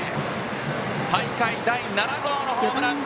大会第７号のホームラン！